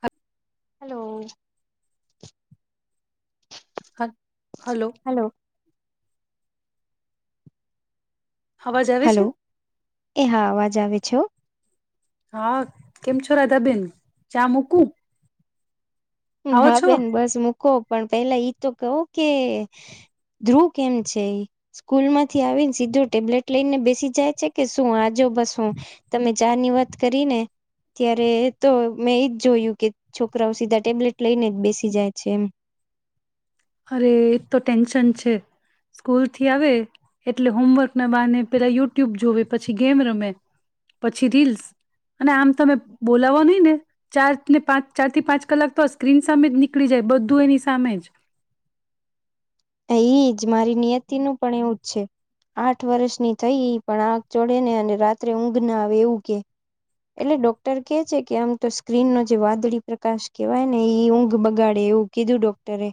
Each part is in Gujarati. હા. હલો. હ હલો. અવાજ આવે છે હલો એ હા અવાજ આવે. પૂછો. હા કેમ છોરા દબીન ચા મૂકું. આવો હા છો બેન બસ મૂકો પણ પેલા ઈ તો કહું કે ધ્રુવ કેમ છે સ્કૂલ માંથી આવીને સીધો ટેબ્લેટ લઈને બેસી જાય છે કે શું આજો બસું તમે ચાર ની વાત કરી ને ત્યારે તો મેં એજ જોયું કે છોકરાઓ સીધા ટેબ્લેટ લઈને જ બેસી જાય છે એમ. અરે એ તો ટેન્શન છે સ્કૂલ થી આવે એટલે હોમવર્ક ના બાહને પેલા યુટ્યુબ જોવે પછી ગેમ રમે પછી રીલ્સ અને આમ તમે બોલાવવા નહી ને ચાર ને પાંચ ચાર થી પાંચ કલાક તો સ્ક્રીન સામે જ નીકળી જાય બધું એની સામે જ. ઈ જ મારી નિયતિ નું પણ એવું જ છે આઠ વર્ષની થઈ એઈ પણ આગ ચડે ને અને રાત્રે ઊંઘ ના આવે એવું કે એટલે ડોક્ટર કે છે કે આમ તો સ્ક્રીન નો જે વાદળી પ્રકાશ કેવાય ને એ ઊંઘ બગાડે એવું કીધું ડોક્ટરે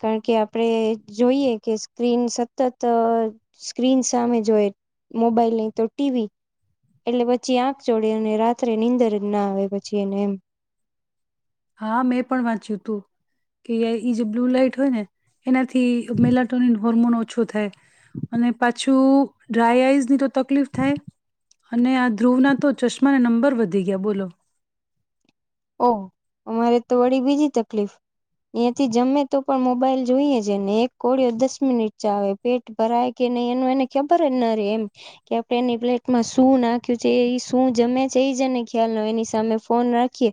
કારણ કે આપણે જોઈએ કે સ્ક્રીન સતત સ્ક્રીન સામે જોય મોબાઈલ નહી તો ટીવી. એટલે પછી આંખ ચોડે અને રાત્રે નીંદર જ ના આવે પછી એને એમ. હા મેં પણ વાંચ્યું હતું કે ય ઈ જે બ્લુ લાાઈટ હોય ને એનાથી મેલાટોની હર્મોન ઓછું થાય. અને પાછી શું ડ્રાય આઈઝની તો તકલીફ થાય અને આ ધ્રુવના તો ચશ્માના નંબર વધી ગયા બોલો. ઓ અમારે તો વળી બીજી તકલીફ એયાથી જમે તો પણ મોબાઈલ જોઈએ છેને એક કોડિયો દસ મિનિટ ચાવ પેટ ભરાય કે નહી એનું એને ખબર જ ના રે એમ કે આપડ એની પ્લેટમાં શું નાખ્યું છે એ શું જમે છે એ જને ખ્યાલ ન એની સામે ફોન રાખીએ.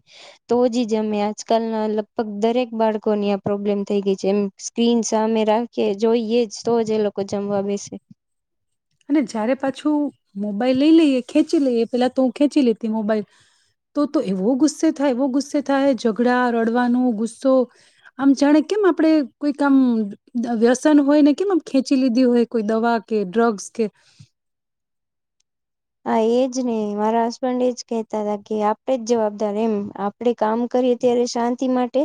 તો જ જમે આજકાલના લગભગ દરેક બાળકોની આ પ્રોબ્લેમ થઈ ગઈ છે એમ સ્ક્રીન સામે રાખી જોઈએ જ તો જ એ લોકો જમવા બેસે. અને જયારે પાછું મોબાઈલ લઈ લઈએ ખેંચી લઈએ પેલા તો હું ખેંચી લેતી મોબાઈલ તો તો એવો ગુસ્સે થાય એવો ગુસ્સે થાય ઝઘડા રડવાનું ગુસ્સો આમ જાણે કેમ આપણેે કોઈક આમ વ્યસન હોય ને કેમ આમ ખેંચી લીધી હોય કોઈ દવા કે ડ્રગ્સ કે હા એ જ ને મારા હસબન્ડ એ જ કેહતા હતા કે આપડે જ જવાબદાર એમ આપડે કામ કરીએ ત્યારે શાંતિ માટે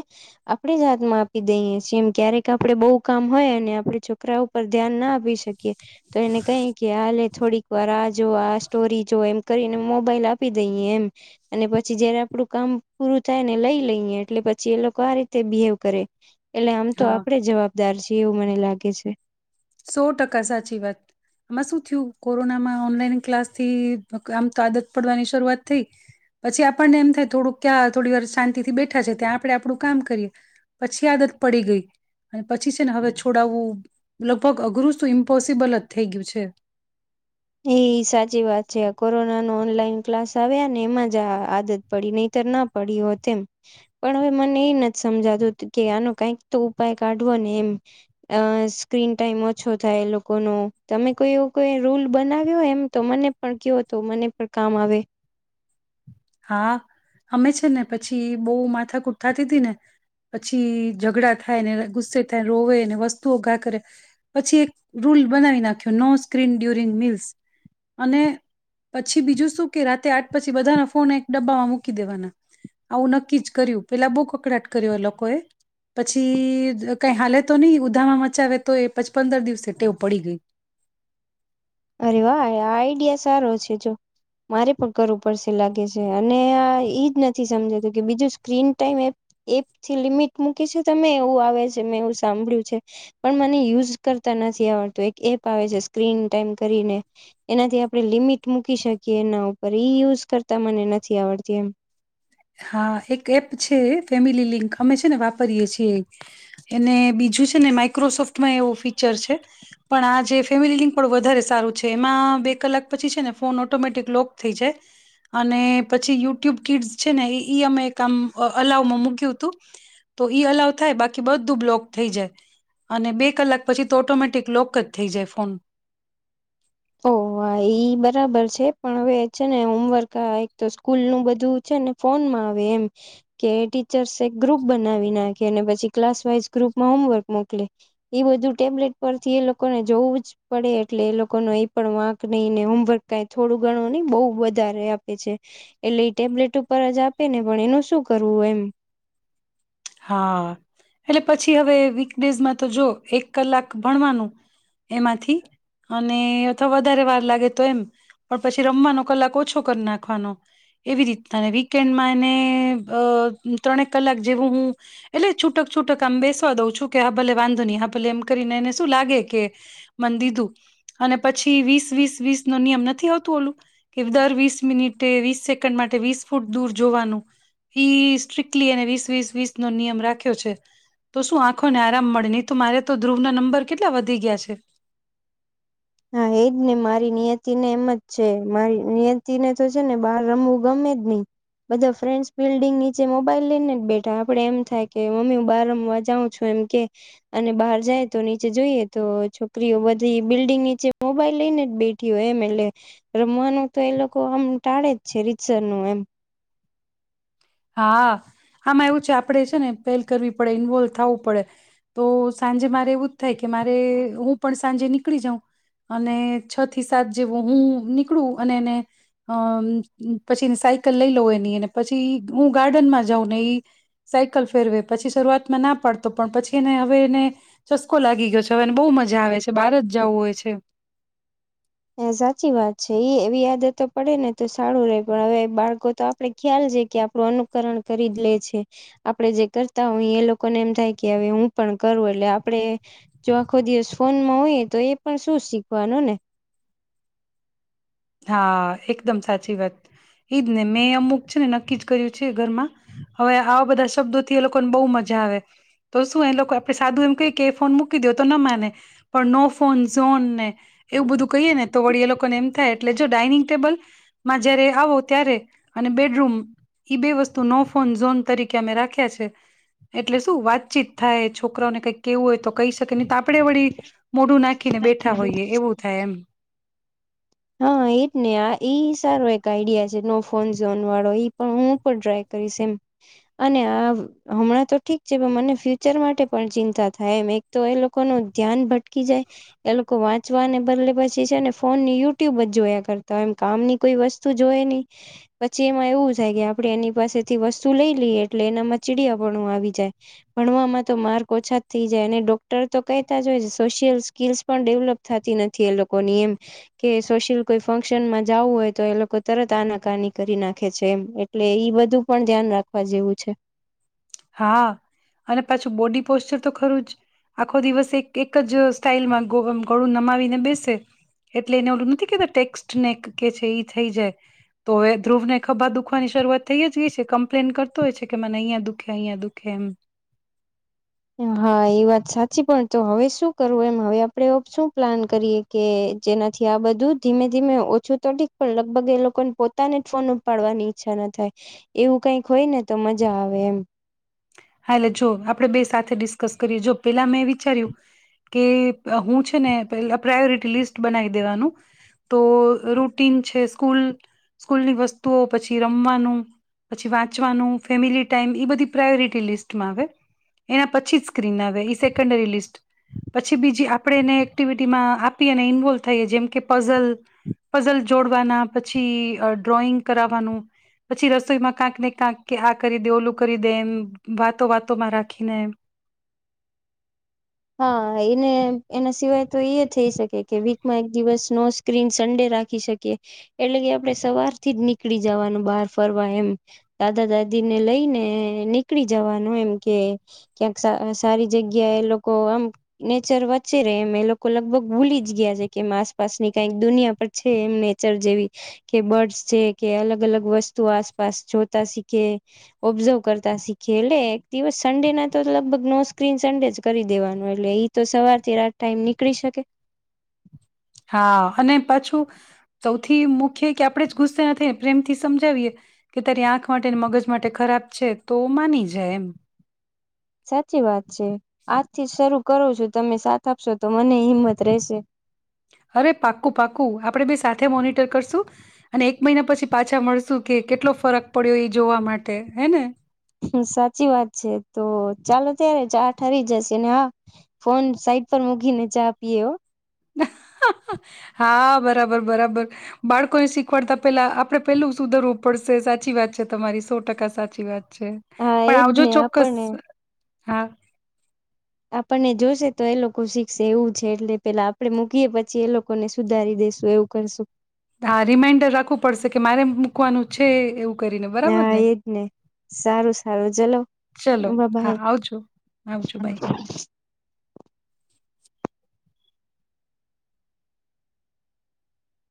આપણે જ હાથ માં આપી દઈએી એમ ક્યારેક આપડે બહુ કામ હોય અને આપડે છોકરા ઉપર ધ્યાન ના આપી શકીએ તો એને કહી કે હાલે થોડીક વાર આ જો. સ્ટોરી જો એમ કરીને મોબાઈલ આપી દઈએ એમ અને પછી જયારે આપડું કામ પૂરું થાય ને લઈ લઈએ એટલે પછી એ લોકો આ રીતે બિહેવ કરે. એટલે આમ તો હા આપડે જ જવાબ દાર છે એવું મને લાગે છે. સો ટકા સાચી વાત આમાં શું થયું કોરોનામાં ઓનલાઈન ક્લાસ થી આમ તો આદત પડવાની શરૂઆત થઈ પછી આપણને એમ થાય થોડું ક્યાં થોડી વાર શાંતિથી બેઠા છે ત્યાં આપણે આપડું કામ કરીએ પછી આદત પડી ગઈ અને પછી છે ને હવે છોડાવવું. લગભગ અઘરું શું ઇમ્પોસિબલ જ થઈ ગયું છે. એ સાચી વાત છે આ કોરોના ન ઓનલાઈન ક્લાસ આવ્યા ને એમાં જ આ આદત પડી નહીતર ના પડી હો તેમ પણ હવે મને એ નથી સમજાતું કે આનો કઈક તો ઉપાય કાઢવો ને એમ અ સ્ક્રીન ટાઈમ ઓછો થાય એ લોકો ન તમે કોઈ એવો કોઈ રૂલ. બનાવ્યો એમ તો મને પણ કયો હતો મને પણ કામ આવે. હા અમે છે ને પછી બહુ માથાકૂઠ થતી હતી ને પછી ઝઘડા થાયને ગુસ્સે થાય રોવે ને વસ્તુઓ ઘા કરે પછી એક રૂલ બનાવી નાખ્યો નો સ્ક્રીન ડ્યુરિંગ મીલ્સ અને પછી બીજું શું કે રાતે આઠ પછી બધાના. ફને એક ડબ્બામાં મૂકી દેવાના આવું નક્કી જ કર્યું પેલા બહુ કકડાટ કર્યો લોકો એ પછી કઈ હાલે તો નહી ઉધામાં મચાવે તો એ પછી પંદર દિવસે ટેવું પડી ગઈ. અરે વાહ આ આઈડિયા સારો છે જો મારે પણ કરવું પડશે લાગે છે અને આ ઈજ નથી સમજાતું કે બીજું સ્ક્રીન ટાઈમ એપ એપથી લિમિટ મૂકી છે તમે એવું આવે છે મેં એવું સાંભળ્યું છે પણ મને યુઝ કરતા નથી આવડતું એક એપ આવે છે સ્ક્રીન ટાઈમ. કરીને એનાથી આપણે લિમિટ મૂકી શકીએ એના ઉપર ઈ યુઝ કરતા મને નથી આવડતી એમ. હા એક એપ છે ફેમિલી લિંક અમે છે ને વાપરીએ છીએ એને બીજું છે ને માઈક્રોસોફ્ટમાં એવું ફીચર છે પણ આ જે ફેમિલી લિંક પણ વધારે સારું છે એમાં બે કલાક પછી છે ને ફોન ઓટોમેટિક લોક થઈ જાય અને પછી યુટ્યુબ કિડસ. છે ને અમે આમ અલાવમાં મૂક્યું હતું તો અલાવ થાય બાકી બધું બ્લોક થઈ જાય અને બે કલાક પછી તો ઓટોમેટિક લોક જ થઈ જાય ફોન. ઓહ ઈ બરાબર છે પણ હવે છે ને હોમવર્ક આ એક તો સ્કૂલ નું બધું છે ને ફોનમાં આવે એમ કે ટીચર્સ એક ગ્રુપ બનાવી નાખે અને પછી ક્લાસ વાઈઝ ગ્રુપમાં હોમવર્ક મોકલે ઈ બધું ટેબ્લેટ પરથી એ લોકોને જોવું જ પડે એટલે એ લોકોનો પણ વાંક નહીં ને હોમવર્ક કઈ થોડું ગણું નહીં બહુ વધારે આપે છે એટલે ટેબ્લેટ ઉપર જ આપે ને પણ એનું શું કરવું એમ હા એટલે પછી હવે વીકડેઝમાં તો જો એક કલાક ભણવાનું એમાંથી અને અથવા વધારે વાર લાગે તો એમ પણ પછી રમવાનો કલાક ઓછો કર નાખવાનો એવી રીત વીકેન્ડમાં એને અ ત્રણેક કલાક જેવું હું એટલે છૂટક-છૂટક આમ બેસવા દઉં છું કે હા ભલે વાંધો નહીં હા ભલે એમ કરીને એને શું લાગે કે મન દીધું અને પછી વીસ-વીસ-વીસ નો નિયમ નથી આવતું ઓલું કે દર વીસ મિનિટે વીસ સેકન્ડ માટે વીસ ફૂટ દૂર જોવાનું ઈ સ્ટ્રીક્ટલી એને વીસ વીસ વીસ નો નિયમ રાખ્યો છે તો શું આંખોને આરામ મળે નહી તો મારે તો ધ્રુવ ના નંબર કેટલા વધી ગયા છે હા એજ ને મારી નિયતિને એમ જ છે મારી નિયતિને તો છે ને બહાર રમવું ગમે જ નહીં, બધા ફ્રેન્ડસ બિલ્ડીિંગ નીચે મોબાઈલ લઈને જ બેઠા આપડે એમ થાય કે મમ્મી હું બહાર રમવા જાઉં છું એમ કે અને બહાર જાય તો નીચે જોઈએ તો છોકરીઓ બધી બિલ્ડીંગની જે મોબાઈલ લઈ ને જ બેઠી હોય એમ એટલે રમવાનું તો એ લોકો આમ ટાળે જ છે રીતસરનું એમ. હા આમાં એવું છે આપણે છે ને પહેલ કરવી પડે ઈન્વોલ્વ થવું પડે તો સાંજે મારે એવું જ થાય કે મારે હું પણ સાંજે નીકળી જાઉં અને છ થી સાત જેવો હું નીકળું અને એને અમ પછી સાયકલ લઈ લઉં એની અન પછી હું ગાર્ડનમાં જાઉંને ઈ સાયકલ ફેરવે પછી શરૂઆતમાં ના પડતો પણ પછી એને હવે એને ચસ્કો લાગી ગયો છે હવેને બહુ મજા આવે છે બહાર જ જવું હોય છે. હ સાચી વાત છે એ એવી આદતો પડેને તો સારું રહે પણ હવે બાળકો તો આપડ ખ્યાલ છે કે આપણું અનુકરણ કરી જ લે છે આપડે જે કરતા હોઈ એ લોકોને એમ થાય કે હવે હું પણ કરું એટલે આપણે જો આખો દિવસ ફોનમાં હોઈએ એ તો એ પણ શું શીખવાનું ને. હા એકદમ સાચી વાત ઈજ ને મેં અમુક છે ને નક્કી જ કર્યું છે ઘરમાં હવે હાવ બધા શબ્દોથી એ લોકોને બહુ મજા આવે તો શું એ લોકો આપણે સાદું એમ કહી કે એ ફોન મૂકી દો તો ન માને પણ નો ફોન ઝોન ને એવું બધું કહીએ ને તો વળી એ લોકોને એમ થાય એટલે જો ડાઇનિંગ ટેબલ માં જયારે આવો ત્યારે અને બેડરૂમ ઈ બે વસ્તુ નો ફોન ઝોન તરીકે અમે રાખ્યા છે એટલે શું વાતચીત થાય છોકરાને કંઈક કેવું હોય તો કહી શકે ન તો આપડે વળી મોઢું નાખીને બેઠા હોઈએ એવું થાય એમ. હા એજ ને આ ઈ સારો એક આઈડિયા છે નો ફોન ઝોન વાળો પણ હું પણ ટ્રાય કરીશ એમ અને આ હમણાં તો ઠીક છે પણ મને ફ્યુચર માટે પણ ચિંતા થાય એમ એક તો એ લોકો નું ધ્યાન ભટકી જાય એ લોકો વાંચવાને બદલે પછી છે ને ફોનની યુ ટ્યુબ જ જોયા કરતા હોય એમ કામ ની કોઈ વસ્તુ જોઈ નહી પછી એમાં એવું થાય કે આપડે એની પાસેથી વસ્તુ લઈ લઈએ એટલે એનામાં ચીડિયાપણું આવી જાય ભણવામાં તો માર્ક ઓછા થઈ જાય અને ડોક્ટર તો કહેતા જ હોય સોશિયલ સ્કીલસ પણ ડેવલપ થાતી નથી એ લોકોની એમ. કે સોશિયલ કોઈ ફંક્શન માં જવું હોય તો એ લોકો તરત આનાકાની કરી નાખે છે એમ એટલે ઈ બધું પણ ધ્યાન રાખવા જેવું છે. હા અને પાછું બોડી પોશ્ચર તો ખરું જ, આખો દિવસ એક-એક જ સ્ટાઈલમાં ગળું નમાવીને બેસે એટલે એને ઓલું નથી કેતા ટેક્સ્ટ ને કે છે એ થઈ જાય તો હવે ધ્રુવ ને ખભા દુખવાની શરૂઆત થઈ જ ગઈ છે કમ્પ્લેન કરતો હોય છે કે મને અહીંયા દુ દુખે અહીંયા દુઃખે એમ હા ઈ વાત સાચી પણ તો હવે શું કરવું એમ હવે આપડે શું પ્લાન કરીએ કે જેનાથી આ બધું ધીમે ધીમે ઓછું તો ઠીક પણ લગભગ એ લોકોને પોતાને જ ફોન ઉપાડવાની ઈચ્છા ના થાય એવું કઈક હોય ને તો મજા આવે એમ હા એટલે જો આપડે બે સાથે ડિસ્કસ કરીએ જો પેલા મેં વિચાર્યું કે હું છે ને પે પ્રાયોરિટી લિસ્ટ બનાવી દેવાનું તો રૂટીન છે સ્કૂલ સ્કૂલની વસ્તુઓ પછી રમવાનું પછી વાંચવાનું ફેમિલી ટાઈમ ઈ બધી પ્રાયોરિટી લિસ્ટમાં આવે એના પછી જ સ્ક્રીન આવે એ સેકન્ડરી લિસ્ટ પછી બીજી આપણેે એને એક્ટિવિટીમાં આપી અને ઇન્વોલ્વ થઈ જેમ કે પઝલ-પઝલ જોડવાના પછી ડ્રોઈંગ કરાવવાનું પછી રસોઈમાં કાક ને કાક આ કરી દે ઓલું કરી દે એમ. વાતો-વાતોમાં રાખીને હા એને એના સિવાય તો ઈ એ થઈ શકે કે વીકમાં એક દિવસ નો સ્ક્રીન સન્ડે રાખી શકીએ એટલે કે આપડણે સવાર થી જ નીકળી જવાનું બહાર ફરવા એમ દાદા દાદી ને લઈને નીકળી જવાનું એમ કે ક્યાંક સ સારી જગ્યા ઈ લોકો આમ નેચર વચ્ચે રે એમ એ લોકો લગભગ ભૂલી જ ગયા છે કે એમ આસપાસની કંઈક દુનિયા પર છે એમ નેચર જેવી કે બર્ડ્સ છે કે અલગ-અલગ વસ્તુઓ આસપાસ જોતા શીખે, ઓબ્ઝર્વ કરતા શીખે એટલે એક દિવસ સન્ડે ના તો લગભગ નો સ્ક્રીન સન્ડે જ કરી દેવાનું એટલે ઈ તો સવાર થી રાત ટાઈમ નીકળી શકે. હા અને પાછું સૌથી મુખ્ય કે આપણે જ ગુસ્સે નથી ને પ્રેમથી સમજાવીએ કે તારી આંખ માટે મગજ માટે ખરાબ છે તો માની જાય એમ. સાચી વાત છે, આજથી જ શરૂ કરો છો તમે સાથ આપશો તો મનેય હિંમત રહેશે. અરે પાક્કું પાકું આપડે બે સાથે મોનિટર કરશું અને એક મહિના પછી પાછા મળશું કે કેટલો ફરક પડ્યો એ જોવા માટે હે ને. સાચી વાત છે તો ચાલો ત્યારે ચા ઠરી જશે ને હા ફોન સાઈટ પર મૂકી ને ચા પીએ હ. હા બરાબર-બરાબર બાળકોને શીખવાડતા પેલા આપડે પેલું સુધરવું પડશે સાચી વાત છે તમારી સો ટકા સાચી વાત. હા પણ એજ આવજો ને ચોક્કસ. આપણને હા. આપણને જોશે તો એ લોકો શીખશે એવું છે એટલે પેલા આપડે મૂકીએ પછી એ લોકોને સુધારી દેસું એવું કરશું. હા રિમાઈન્ડર રાખવું પડશે કે મારે મૂકવાનું છે એવું કરીને ને બરાબર હા એજ ને સારું-સારું ચલો ચલો બ હા બાઈ. આવજો આવજો બાય.